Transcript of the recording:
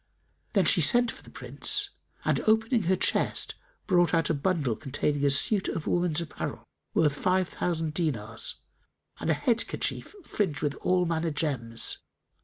Then she sent for the Prince and, opening her chest, brought out a bundle containing a suit of woman's apparel, worth five thousand dinars, and a head kerchief fringed with all manner gems.